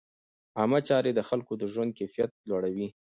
عامه چارې د خلکو د ژوند کیفیت لوړوي.